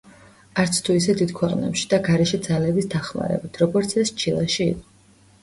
არც თუ ისე დიდ ქვეყნებში და გარეშე ძალების დახმარებით, როგორც ეს ჩილეში იყო.